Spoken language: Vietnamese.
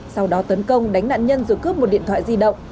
sau đó tấn công đánh nạn nhân rồi cướp một điện thoại di động